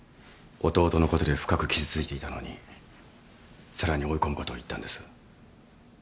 弟のことで深く傷ついていたのにさらに追い込むことを言ったんです。